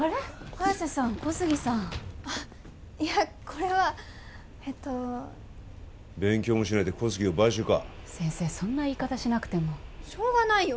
早瀬さん小杉さんあっいやこれはえっと勉強もしないで小杉を買収か先生そんな言い方しなくてもしょうがないよ